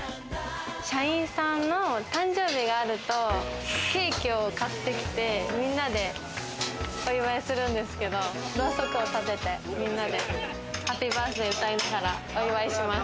社員さんの誕生日があるとケーキを買ってきて、みんなでお祝いするんですけど、ろうそくを立てて皆でハッピーバースデーを歌いながら、お祝いをします。